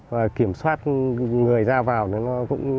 và kiểm soát người ra vào thì nó cũng